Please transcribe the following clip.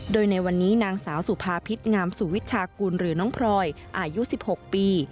โดยในวันนี้นางสาวสุภาพิษงามสุวิชากุลหรือน้องพลอยอายุ๑๖ปี